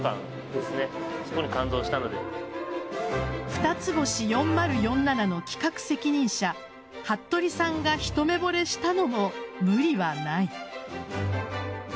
ふたつ星４０４７の企画責任者服部さんが一目ぼれしたのも無理はない。